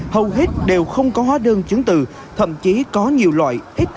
hầu hết đều không có hóa đơn chứng từ thậm chí có nhiều loại ít